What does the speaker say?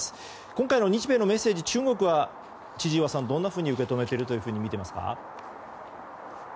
今回の日米のメッセージ中国は千々岩さん、どんなふうに受け止めているとみていますか？